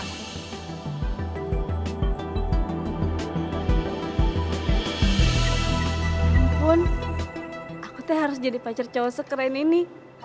ya ampun aku tuh harus jadi pacar cowok sekeren ini